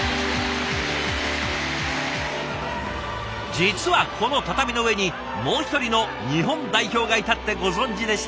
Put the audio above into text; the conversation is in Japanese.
実はこの畳の上にもう一人の日本代表がいたってご存じでした？